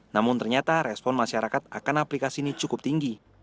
namun ternyata respon masyarakat akan aplikasi ini cukup tinggi